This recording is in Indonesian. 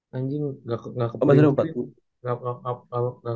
sampai ketemu di minggu